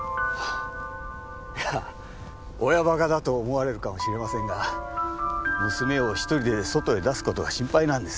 いや親馬鹿だと思われるかもしれませんが娘を一人で外へ出す事が心配なんです。